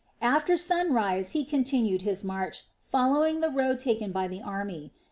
After sunrise he continued his march, following the road taken by the army.